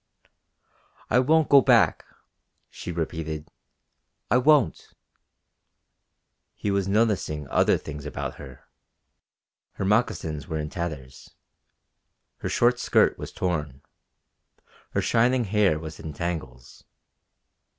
"I won't go back!" she repeated. "I won't!" He was noticing other things about her. Her moccasins were in tatters. Her short skirt was torn. Her shining hair was in tangles.